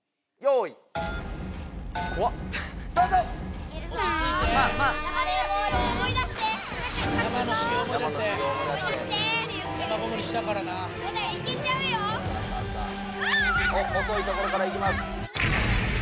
おっ細いところから行きます。